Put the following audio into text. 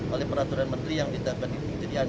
oleh peraturan menteri yang ditetapkan oleh tijik dikti